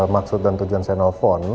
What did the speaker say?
maksud dan tujuan saya nelfon